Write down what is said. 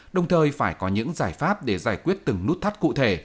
đồng thời phải có những giải pháp để giải quyết từng nút thắt cụ thể